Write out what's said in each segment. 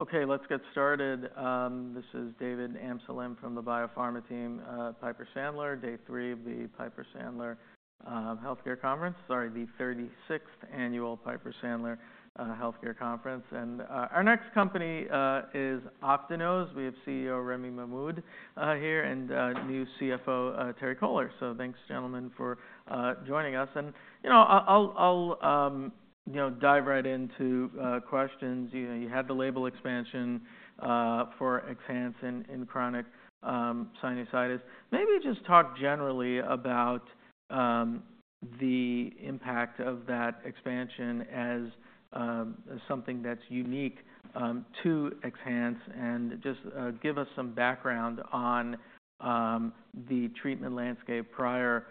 Okay, let's get started. This is David Amsellem from the biopharma team, Piper Sandler, day three of the Piper Sandler Healthcare Conference, sorry, the 36th annual Piper Sandler Healthcare Conference. And our next company is Optinose. We have CEO Ramy Mahmoud here and new CFO Terry Kohler. So thanks, gentlemen, for joining us. And I'll dive right into questions. You had the label expansion for XHANCE in chronic sinusitis. Maybe just talk generally about the impact of that expansion as something that's unique to XHANCE and just give us some background on the treatment landscape prior to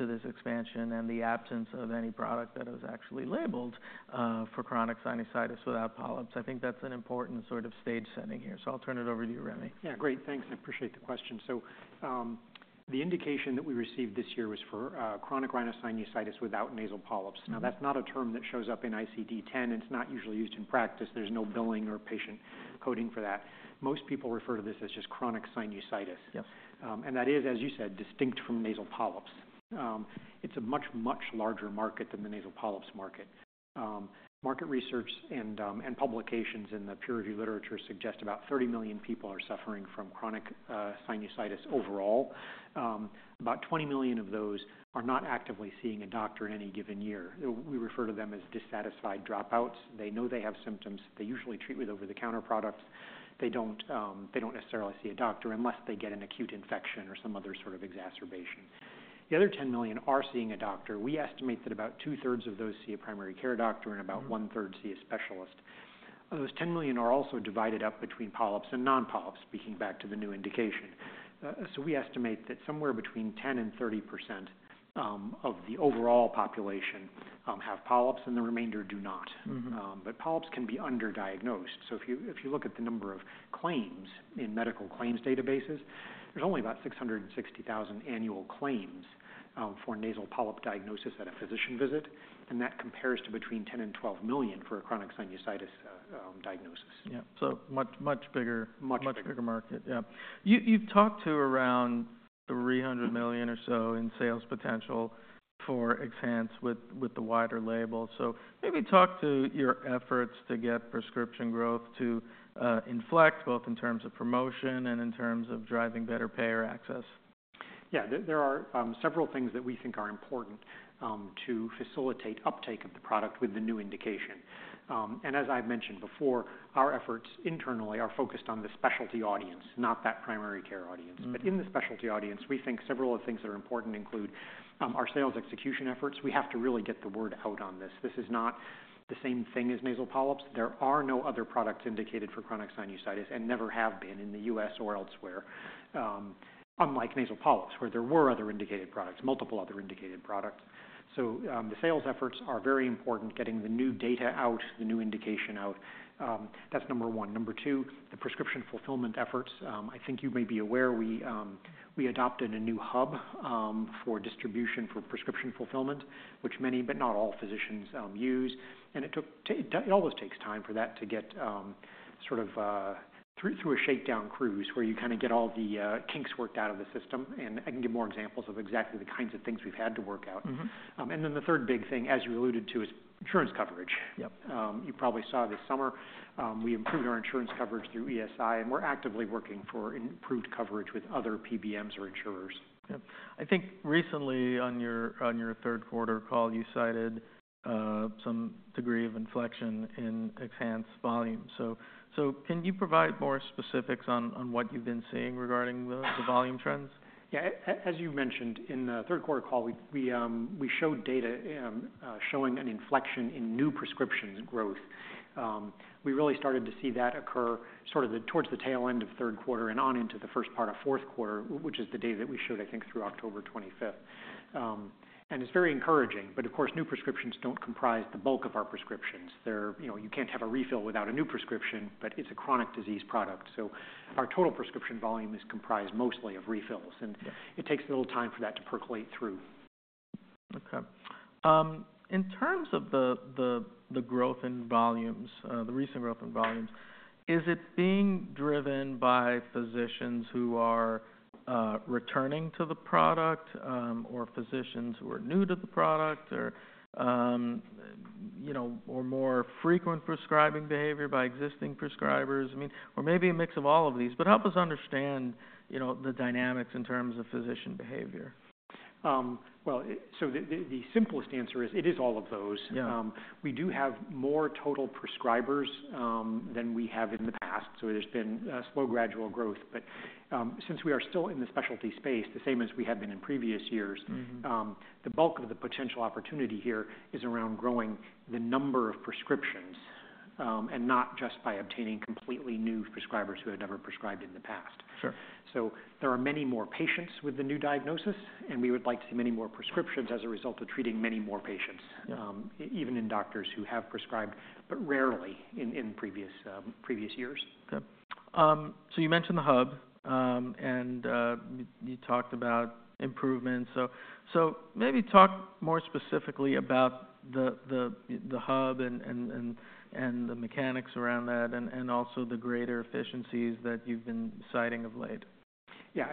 this expansion and the absence of any product that was actually labeled for chronic sinusitis without polyps. I think that's an important sort of stage setting here. So I'll turn it over to you, Ramy. Yeah, great. Thanks. I appreciate the question. So the indication that we received this year was for chronic rhinosinusitis without nasal polyps. Now, that's not a term that shows up in ICD-10. It's not usually used in practice. There's no billing or patient coding for that. Most people refer to this as just chronic sinusitis. And that is, as you said, distinct from nasal polyps. It's a much, much larger market than the nasal polyps market. Market research and publications in the peer-reviewed literature suggest about 30 million people are suffering from chronic sinusitis overall. About 20 million of those are not actively seeing a doctor in any given year. We refer to them as dissatisfied dropouts. They know they have symptoms. They usually treat with over-the-counter products. They don't necessarily see a doctor unless they get an acute infection or some other sort of exacerbation. The other 10 million are seeing a doctor. We estimate that about two-thirds of those see a primary care doctor and about one-third see a specialist. Those 10 million are also divided up between polyps and non-polyps speaking back to the new indication. So we estimate that somewhere between 10% and 30% of the overall population have polyps and the remainder do not. But polyps can be underdiagnosed. So if you look at the number of claims in medical claims databases, there's only about 660,000 annual claims for nasal polyp diagnosis at a physician visit. And that compares to between 10 and 12 million for a chronic sinusitis diagnosis. Yeah. So much bigger market. Much bigger market. Yeah. You've talked to around $300 million or so in sales potential for XHANCE with the wider label, so maybe talk to your efforts to get prescription growth to inflect both in terms of promotion and in terms of driving better payer access. Yeah. There are several things that we think are important to facilitate uptake of the product with the new indication. And as I've mentioned before, our efforts internally are focused on the specialty audience, not that primary care audience. But in the specialty audience, we think several of the things that are important include our sales execution efforts. We have to really get the word out on this. This is not the same thing as nasal polyps. There are no other products indicated for chronic sinusitis and never have been in the U.S. or elsewhere, unlike nasal polyps where there were other indicated products, multiple other indicated products. So the sales efforts are very important getting the new data out, the new indication out. That's number one. Number two, the prescription fulfillment efforts. I think you may be aware we adopted a new hub for distribution for prescription fulfillment, which many, but not all, physicians use. And it always takes time for that to get sort of through a shakedown cruise where you kind of get all the kinks worked out of the system. And I can give more examples of exactly the kinds of things we've had to work out. And then the third big thing, as you alluded to, is insurance coverage. You probably saw this summer we improved our insurance coverage through ESI, and we're actively working for improved coverage with other PBMs or insurers. Yeah. I think recently on your third quarter call, you cited some degree of inflection in XHANCE volume. So can you provide more specifics on what you've been seeing regarding the volume trends? Yeah. As you mentioned, in the third quarter call, we showed data showing an inflection in new prescriptions growth. We really started to see that occur sort of towards the tail end of third quarter and on into the first part of fourth quarter, which is the data that we showed, I think, through October 25th. And it's very encouraging. But of course, new prescriptions don't comprise the bulk of our prescriptions. You can't have a refill without a new prescription, but it's a chronic disease product. So our total prescription volume is comprised mostly of refills. And it takes a little time for that to percolate through. Okay. In terms of the growth in volumes, the recent growth in volumes, is it being driven by physicians who are returning to the product or physicians who are new to the product or more frequent prescribing behavior by existing prescribers? I mean, or maybe a mix of all of these. But help us understand the dynamics in terms of physician behavior. Well, so the simplest answer is it is all of those. We do have more total prescribers than we have in the past. So there's been a slow gradual growth. But since we are still in the specialty space, the same as we have been in previous years, the bulk of the potential opportunity here is around growing the number of prescriptions and not just by obtaining completely new prescribers who had never prescribed in the past. So there are many more patients with the new diagnosis, and we would like to see many more prescriptions as a result of treating many more patients, even in doctors who have prescribed but rarely in previous years. Okay. So you mentioned the hub, and you talked about improvements. So maybe talk more specifically about the hub and the mechanics around that and also the greater efficiencies that you've been citing of late. Yeah.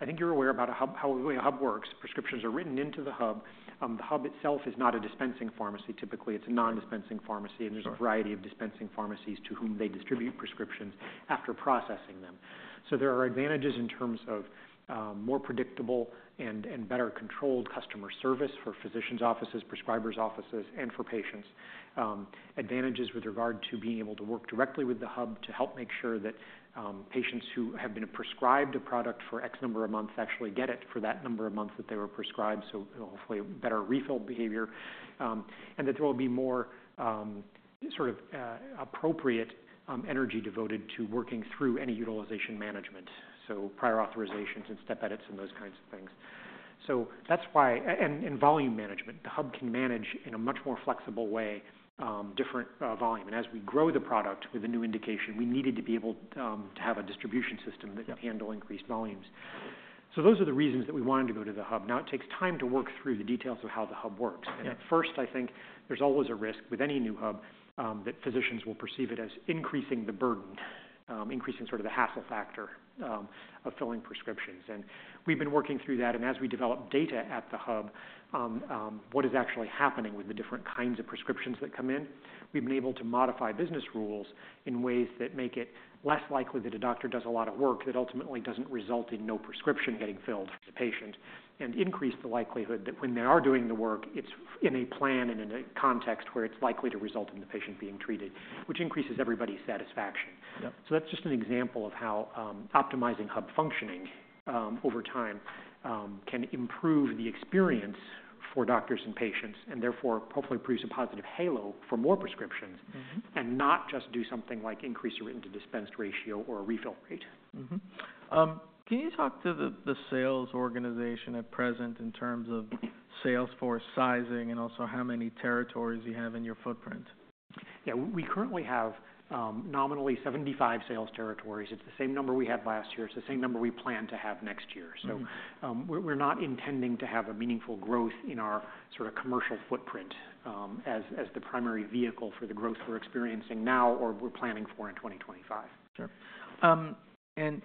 I think you're aware about how a hub works. Prescriptions are written into the hub. The hub itself is not a dispensing pharmacy typically. It's a non-dispensing pharmacy. And there's a variety of dispensing pharmacies to whom they distribute prescriptions after processing them. So there are advantages in terms of more predictable and better controlled customer service for physicians' offices, prescribers' offices, and for patients. Advantages with regard to being able to work directly with the hub to help make sure that patients who have been prescribed a product for X number of months actually get it for that number of months that they were prescribed, so hopefully better refill behavior. And that there will be more sort of appropriate energy devoted to working through any utilization management, so prior authorizations and step edits and those kinds of things. So that's why and volume management. The hub can manage in a much more flexible way different volume. And as we grow the product with a new indication, we needed to be able to have a distribution system that can handle increased volumes. So those are the reasons that we wanted to go to the hub. Now, it takes time to work through the details of how the hub works. And at first, I think there's always a risk with any new hub that physicians will perceive it as increasing the burden, increasing sort of the hassle factor of filling prescriptions. And we've been working through that. As we develop data at the hub, what is actually happening with the different kinds of prescriptions that come in, we've been able to modify business rules in ways that make it less likely that a doctor does a lot of work that ultimately doesn't result in no prescription getting filled for the patient and increase the likelihood that when they are doing the work, it's in a plan and in a context where it's likely to result in the patient being treated, which increases everybody's satisfaction. So that's just an example of how optimizing hub functioning over time can improve the experience for doctors and patients and therefore hopefully produce a positive halo for more prescriptions and not just do something like increase a written-to-dispensed ratio or a refill rate. Can you talk to the sales organization at present in terms of sales force sizing and also how many territories you have in your footprint? Yeah. We currently have nominally 75 sales territories. It's the same number we had last year. It's the same number we plan to have next year. So we're not intending to have a meaningful growth in our sort of commercial footprint as the primary vehicle for the growth we're experiencing now or we're planning for in 2025. Sure.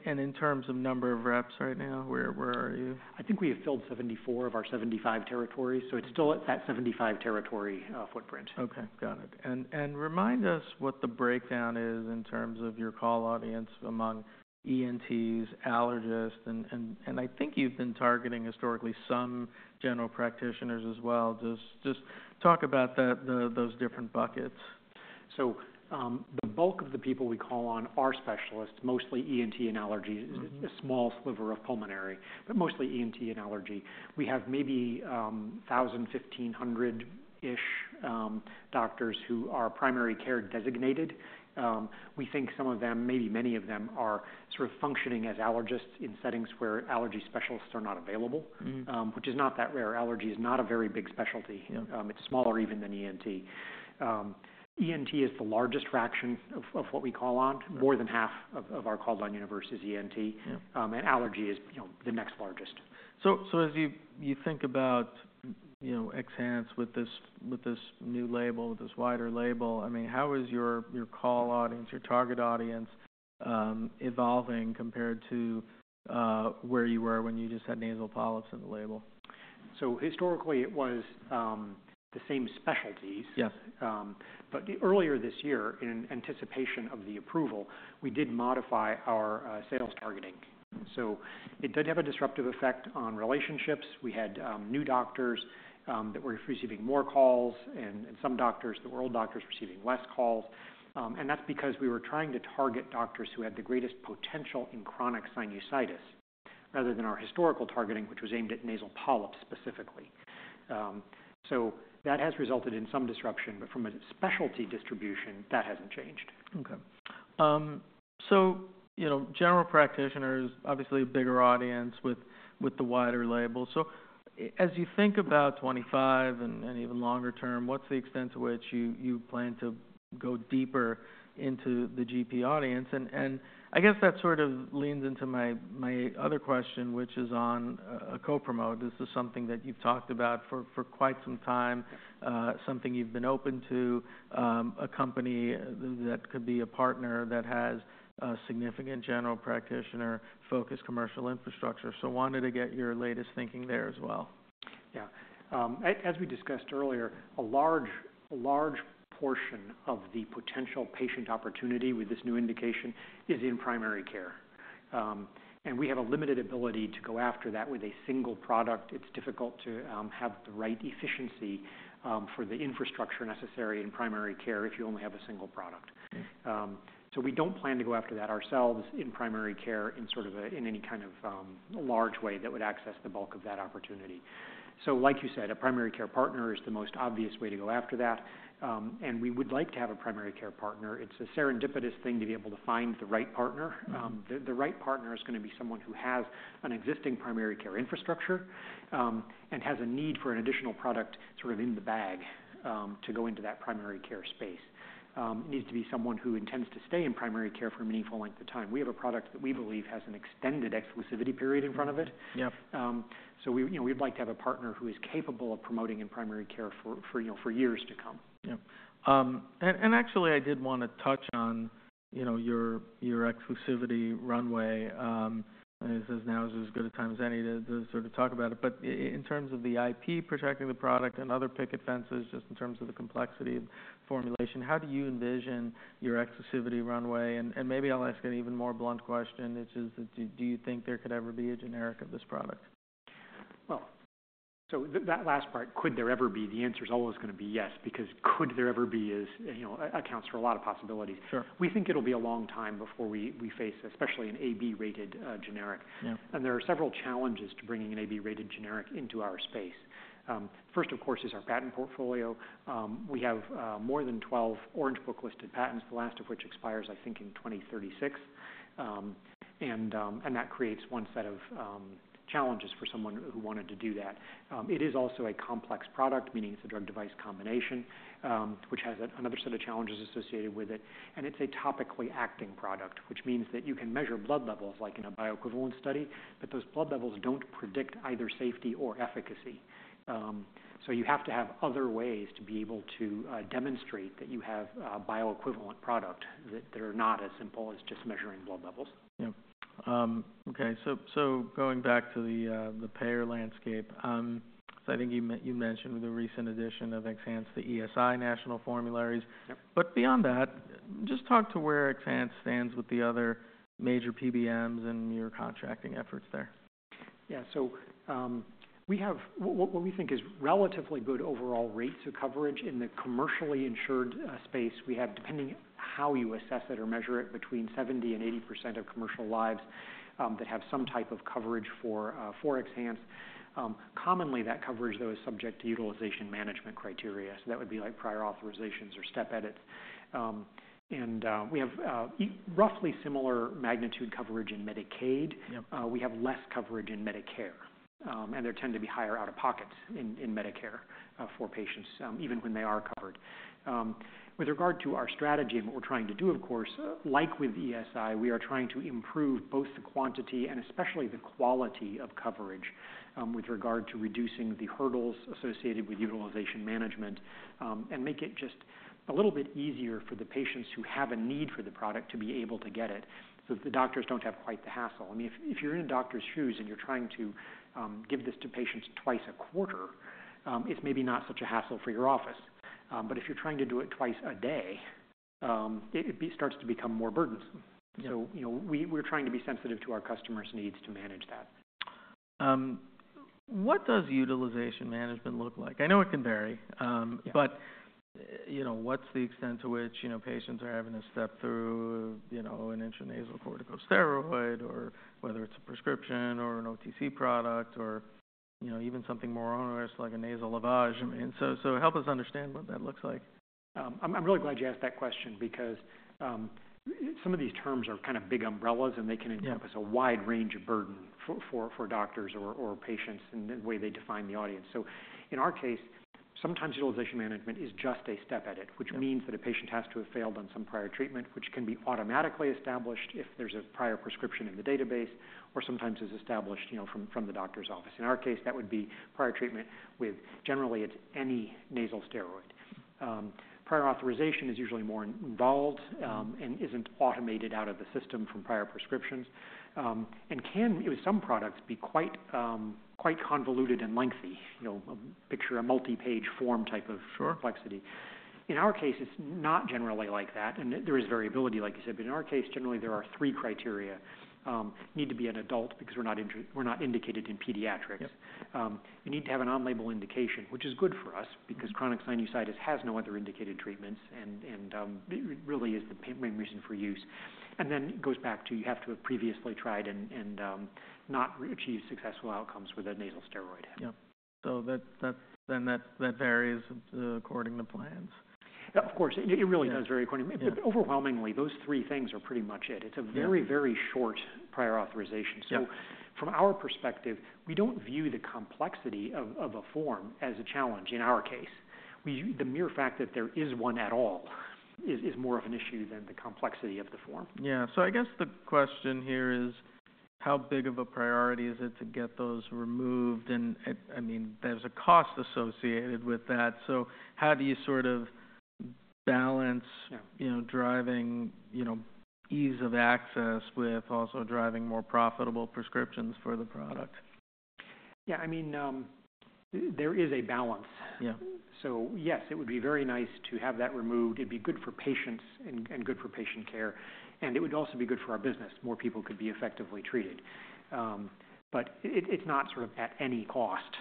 And in terms of number of reps right now, where are you? I think we have filled 74 of our 75 territories. So it's still at that 75 territory footprint. Okay. Got it. And remind us what the breakdown is in terms of your call audience among ENTs, allergists. And I think you've been targeting historically some general practitioners as well. Just talk about those different buckets. The bulk of the people we call on are specialists, mostly ENT and allergy, a small sliver of pulmonary, but mostly ENT and allergy. We have maybe 1,000, 1,500-ish doctors who are primary care designated. We think some of them, maybe many of them, are sort of functioning as allergists in settings where allergy specialists are not available, which is not that rare. Allergy is not a very big specialty. It's smaller even than ENT. ENT is the largest fraction of what we call on. More than half of our called on universe is ENT. Allergy is the next largest. So as you think about XHANCE with this new label, with this wider label, I mean, how is your call audience, your target audience evolving compared to where you were when you just had nasal polyps in the label? So historically, it was the same specialties. But earlier this year, in anticipation of the approval, we did modify our sales targeting. So it did have a disruptive effect on relationships. We had new doctors that were receiving more calls and some doctors, the old doctors, receiving less calls. And that's because we were trying to target doctors who had the greatest potential in chronic sinusitis rather than our historical targeting, which was aimed at nasal polyps specifically. So that has resulted in some disruption. But from a specialty distribution, that hasn't changed. Okay. So general practitioners, obviously a bigger audience with the wider label. So as you think about 25 and even longer term, what's the extent to which you plan to go deeper into the GP audience? And I guess that sort of leans into my other question, which is on a co-promote. This is something that you've talked about for quite some time, something you've been open to, a company that could be a partner that has a significant general practitioner-focused commercial infrastructure. So wanted to get your latest thinking there as well. Yeah. As we discussed earlier, a large portion of the potential patient opportunity with this new indication is in primary care. And we have a limited ability to go after that with a single product. It's difficult to have the right efficiency for the infrastructure necessary in primary care if you only have a single product. So we don't plan to go after that ourselves in primary care in sort of any kind of large way that would access the bulk of that opportunity. So like you said, a primary care partner is the most obvious way to go after that. And we would like to have a primary care partner. It's a serendipitous thing to be able to find the right partner. The right partner is going to be someone who has an existing primary care infrastructure and has a need for an additional product sort of in the bag to go into that primary care space. It needs to be someone who intends to stay in primary care for a meaningful length of time. We have a product that we believe has an extended exclusivity period in front of it. So we'd like to have a partner who is capable of promoting in primary care for years to come. Yeah. And actually, I did want to touch on your exclusivity runway. I mean, it says now is as good a time as any to sort of talk about it. But in terms of the IP protecting the product and other picket fences just in terms of the complexity of formulation, how do you envision your exclusivity runway? And maybe I'll ask an even more blunt question, which is, do you think there could ever be a generic of this product? Well, so that last part, could there ever be? The answer is always going to be yes because could there ever be accounts for a lot of possibilities. We think it'll be a long time before we face especially an AB-rated generic. And there are several challenges to bringing an AB-rated generic into our space. First, of course, is our patent portfolio. We have more than 12 Orange Book-listed patents, the last of which expires, I think, in 2036. And that creates one set of challenges for someone who wanted to do that. It is also a complex product, meaning it's a drug-device combination, which has another set of challenges associated with it. And it's a topically acting product, which means that you can measure blood levels like in a bioequivalent study, but those blood levels don't predict either safety or efficacy. So you have to have other ways to be able to demonstrate that you have a bioequivalent product that are not as simple as just measuring blood levels. Yeah. Okay. So going back to the payer landscape, so I think you mentioned with the recent addition of XHANCE, the ESI national formularies. But beyond that, just talk to where XHANCE stands with the other major PBMs and your contracting efforts there? Yeah, so we have what we think is relatively good overall rates of coverage in the commercially insured space. We have, depending on how you assess it or measure it, between 70% and 80% of commercial lives that have some type of coverage for XHANCE. Commonly, that coverage, though, is subject to utilization management criteria. So that would be like prior authorizations or step edits. And we have roughly similar magnitude coverage in Medicaid. We have less coverage in Medicare, and there tend to be higher out-of-pockets in Medicare for patients even when they are covered. With regard to our strategy and what we're trying to do, of course, like with ESI, we are trying to improve both the quantity and especially the quality of coverage with regard to reducing the hurdles associated with utilization management and make it just a little bit easier for the patients who have a need for the product to be able to get it so that the doctors don't have quite the hassle. I mean, if you're in a doctor's shoes and you're trying to give this to patients twice a quarter, it's maybe not such a hassle for your office. But if you're trying to do it twice a day, it starts to become more burdensome. So we're trying to be sensitive to our customers' needs to manage that. What does utilization management look like? I know it can vary. But what's the extent to which patients are having to step through an intranasal corticosteroid or whether it's a prescription or an OTC product or even something more onerous like a nasal lavage? I mean, so help us understand what that looks like. I'm really glad you asked that question because some of these terms are kind of big umbrellas, and they can encompass a wide range of burden for doctors or patients in the way they define the audience. So in our case, sometimes utilization management is just a step edit, which means that a patient has to have failed on some prior treatment, which can be automatically established if there's a prior prescription in the database or sometimes is established from the doctor's office. In our case, that would be prior treatment with generally it's any nasal steroid. Prior authorization is usually more involved and isn't automated out of the system from prior prescriptions and can, with some products, be quite convoluted and lengthy, picture a multi-page form type of complexity. In our case, it's not generally like that. There is variability, like you said. But in our case, generally, there are three criteria. Need to be an adult because we're not indicated in pediatrics. You need to have a on-label indication, which is good for us because chronic sinusitis has no other indicated treatments and really is the main reason for use. And then it goes back to you have to have previously tried and not achieved successful outcomes with a nasal steroid. Yeah, so then that varies according to plans. Of course. It really does vary according to, overwhelmingly, those three things are pretty much it. It's a very, very short prior authorization. So from our perspective, we don't view the complexity of a form as a challenge in our case. The mere fact that there is one at all is more of an issue than the complexity of the form. Yeah. So I guess the question here is, how big of a priority is it to get those removed? And I mean, there's a cost associated with that. So how do you sort of balance driving ease of access with also driving more profitable prescriptions for the product? Yeah. I mean, there is a balance. So yes, it would be very nice to have that removed. It'd be good for patients and good for patient care. And it would also be good for our business. More people could be effectively treated. But it's not sort of at any cost.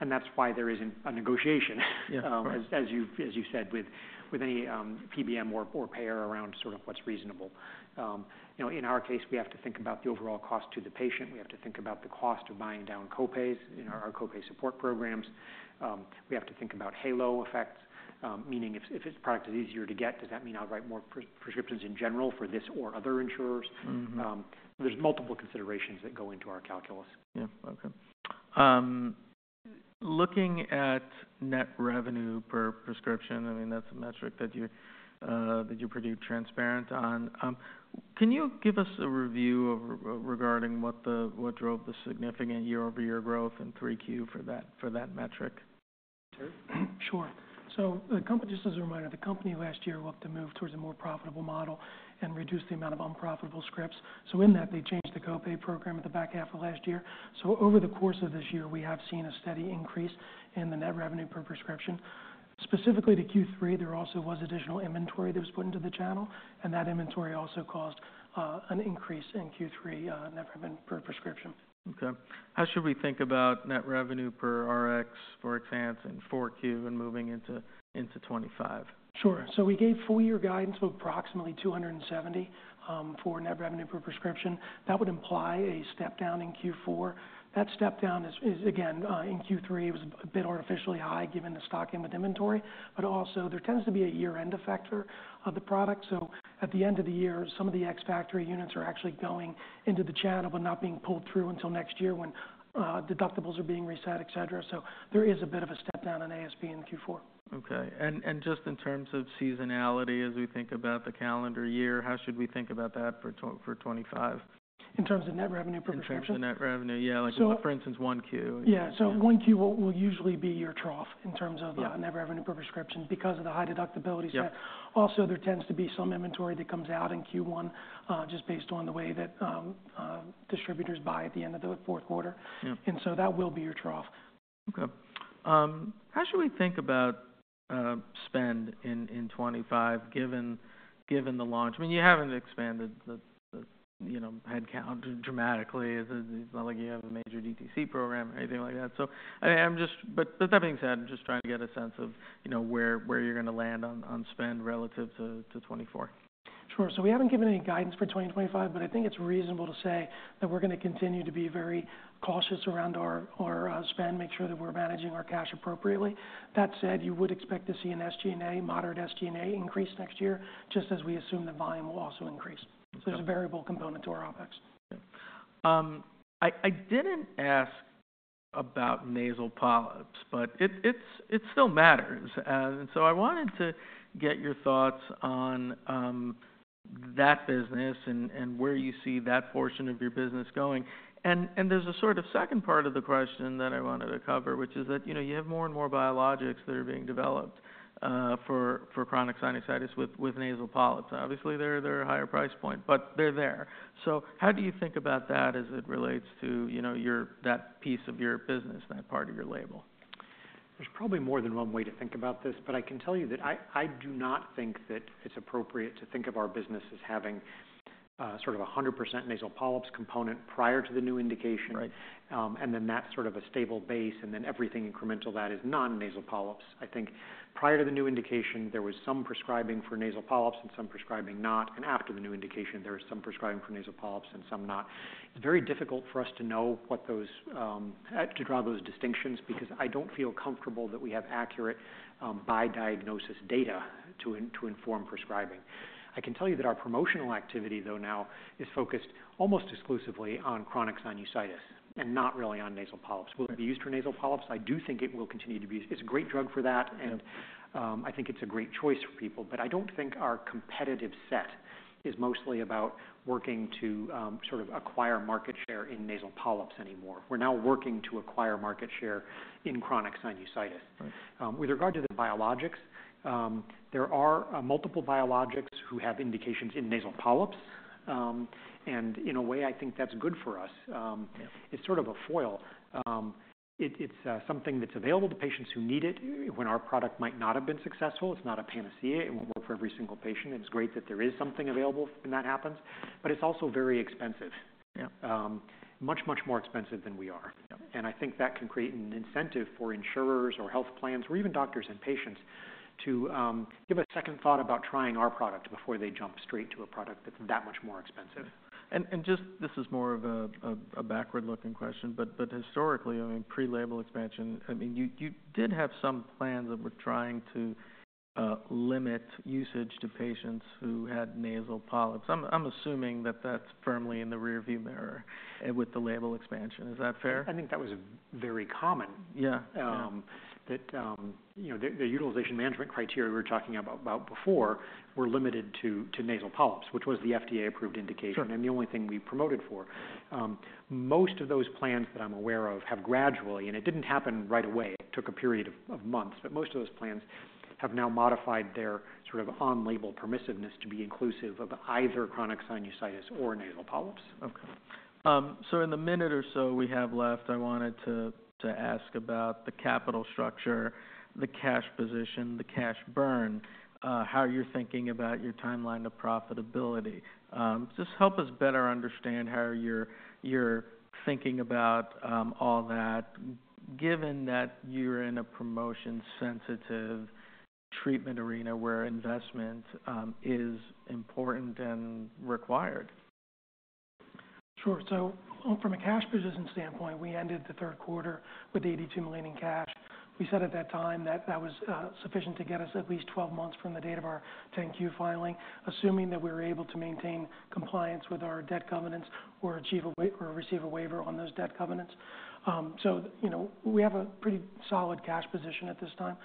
And that's why there isn't a negotiation, as you said, with any PBM or payer around sort of what's reasonable. In our case, we have to think about the overall cost to the patient. We have to think about the cost of buying down copays, our copay support programs. We have to think about halo effects, meaning if a product is easier to get, does that mean I'll write more prescriptions in general for this or other insurers? There's multiple considerations that go into our calculus. Yeah. Okay. Looking at net revenue per prescription, I mean, that's a metric that you're pretty transparent on. Can you give us a review regarding what drove the significant year-over-year growth in 3Q for that metric? Terry? Sure. So just as a reminder, the company last year looked to move towards a more profitable model and reduce the amount of unprofitable scripts. So in that, they changed the copay program at the back half of last year. So over the course of this year, we have seen a steady increase in the net revenue per prescription. Specifically to Q3, there also was additional inventory that was put into the channel. And that inventory also caused an increase in Q3 net revenue per prescription. Okay. How should we think about net revenue per RX for XHANCE in 4Q and moving into 2025? Sure, so we gave full-year guidance of approximately $270 for net revenue per prescription. That would imply a step down in Q4. That step down is, again, in Q3, it was a bit artificially high given the stock and with inventory, but also, there tends to be a year-end effect of the product, so at the end of the year, some of the ex-factory units are actually going into the channel but not being pulled through until next year when deductibles are being reset, etc., so there is a bit of a step down in ASP in Q4. Okay, and just in terms of seasonality, as we think about the calendar year, how should we think about that for 2025? In terms of net revenue per prescription? In terms of net revenue, yeah. For instance, 1Q. Yeah. So 1Q will usually be your trough in terms of net revenue per prescription because of the high deductibility step. Also, there tends to be some inventory that comes out in Q1 just based on the way that distributors buy at the end of the fourth quarter. And so that will be your trough. Okay. How should we think about spend in 2025 given the launch? I mean, you haven't expanded the headcount dramatically. It's not like you have a major DTC program or anything like that. So I mean, but that being said, I'm just trying to get a sense of where you're going to land on spend relative to 2024. Sure. So we haven't given any guidance for 2025, but I think it's reasonable to say that we're going to continue to be very cautious around our spend, make sure that we're managing our cash appropriately. That said, you would expect to see an SG&A, moderate SG&A increase next year, just as we assume that volume will also increase. So there's a variable component to our OpEx. Yeah. I didn't ask about nasal polyps, but it still matters. And so I wanted to get your thoughts on that business and where you see that portion of your business going. And there's a sort of second part of the question that I wanted to cover, which is that you have more and more biologics that are being developed for chronic sinusitis with nasal polyps. Obviously, they're at a higher price point, but they're there. So how do you think about that as it relates to that piece of your business, that part of your label? There's probably more than one way to think about this, but I can tell you that I do not think that it's appropriate to think of our business as having sort of a 100% nasal polyps component prior to the new indication and then that sort of a stable base and then everything incremental that is non-nasal polyps. I think prior to the new indication, there was some prescribing for nasal polyps and some prescribing not. And after the new indication, there is some prescribing for nasal polyps and some not. It's very difficult for us to draw those distinctions because I don't feel comfortable that we have accurate by diagnosis data to inform prescribing. I can tell you that our promotional activity, though, now is focused almost exclusively on chronic sinusitis and not really on nasal polyps. Will it be used for nasal polyps? I do think it will continue to be used. It's a great drug for that. And I think it's a great choice for people. But I don't think our competitive set is mostly about working to sort of acquire market share in nasal polyps anymore. We're now working to acquire market share in chronic sinusitis. With regard to the biologics, there are multiple biologics who have indications in nasal polyps. And in a way, I think that's good for us. It's sort of a foil. It's something that's available to patients who need it when our product might not have been successful. It's not a panacea. It won't work for every single patient. It's great that there is something available when that happens. But it's also very expensive, much, much more expensive than we are. I think that can create an incentive for insurers or health plans or even doctors and patients to give a second thought about trying our product before they jump straight to a product that's that much more expensive. And just, this is more of a backward-looking question, but historically, I mean, pre-label expansion, I mean, you did have some plans that were trying to limit usage to patients who had nasal polyps. I'm assuming that that's firmly in the rearview mirror with the label expansion. Is that fair? I think that was very common. That the utilization management criteria we were talking about before were limited to nasal polyps, which was the FDA-approved indication and the only thing we promoted for. Most of those plans that I'm aware of have gradually, and it didn't happen right away. It took a period of months. But most of those plans have now modified their sort of on-label permissiveness to be inclusive of either chronic sinusitis or nasal polyps. Okay. So in the minute or so we have left, I wanted to ask about the capital structure, the cash position, the cash burn, how you're thinking about your timeline of profitability. Just help us better understand how you're thinking about all that given that you're in a promotion-sensitive treatment arena where investment is important and required. Sure. So from a cash position standpoint, we ended the third quarter with $82 million in cash. We said at that time that that was sufficient to get us at least 12 months from the date of our 10-Q filing, assuming that we were able to maintain compliance with our debt covenants or receive a waiver on those debt covenants. So we have a pretty solid cash position at this time.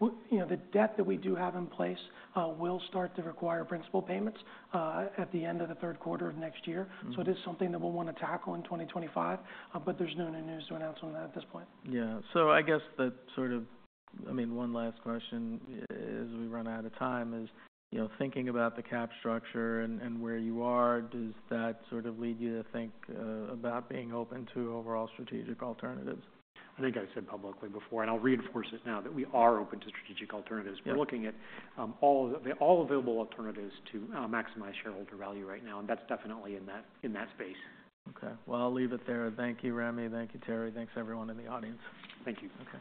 The debt that we do have in place will start to require principal payments at the end of the third quarter of next year. So it is something that we'll want to tackle in 2025. But there's no new news to announce on that at this point. Yeah. So I guess that sort of, I mean, one last question as we run out of time is thinking about the cap structure and where you are, does that sort of lead you to think about being open to overall strategic alternatives? I think I said publicly before, and I'll reinforce it now, that we are open to strategic alternatives. We're looking at all available alternatives to maximize shareholder value right now. And that's definitely in that space. Okay. Well, I'll leave it there. Thank you, Ramy. Thank you, Terry. Thanks, everyone in the audience. Thank you.